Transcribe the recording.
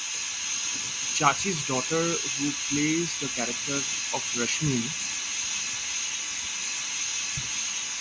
Chachi's daughter who plays the character of Rashmi.